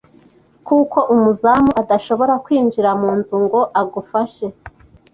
kuko umuzamu adashobora kwinjira mu nzu ngo agufashe.